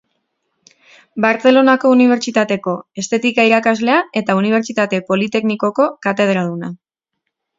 Bartzelonako Unibertsitateko estetika-irakaslea eta Unibertsitate Politeknikoko katedraduna.